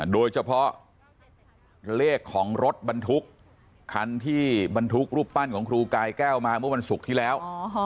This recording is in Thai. โดยเฉพาะเลขของรถบรรทุกคันที่บรรทุกรูปปั้นของครูกายแก้วมาเมื่อวันศุกร์ที่แล้ว